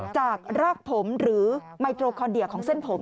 จากรากผมหรือไมโตรคอนเดียของเส้นผม